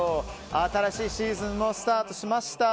新しいシーズンもスタートしました。